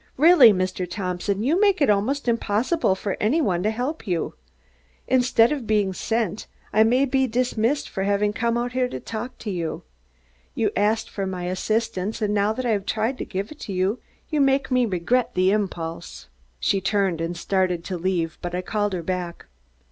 "Really, Mr. Thompson, you make it almost impossible for any one to help you. Instead of being sent, I may be dismissed for having come out here to talk to you. You asked for my assistance and now that I have tried to give it, you make me regret the impulse." She turned and started to leave, but I called her back.